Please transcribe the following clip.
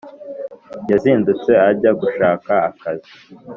yazindutse ajya gushaka akazi